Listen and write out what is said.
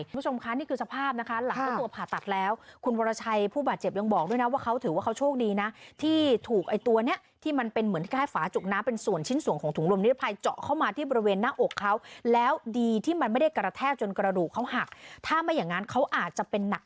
คุณผู้ชมคะนี่คือสภาพนะคะหลังเจ้าตัวผ่าตัดแล้วคุณวรชัยผู้บาดเจ็บยังบอกด้วยนะว่าเขาถือว่าเขาโชคดีนะที่ถูกไอ้ตัวเนี้ยที่มันเป็นเหมือนที่ใกล้ฝาจุกน้ำเป็นส่วนชิ้นส่วนของถุงลมนิรภัยเจาะเข้ามาที่บริเวณหน้าอกเขาแล้วดีที่มันไม่ได้กระแทกจนกระดูกเขาหักถ้าไม่อย่างนั้นเขาอาจจะเป็นหนัก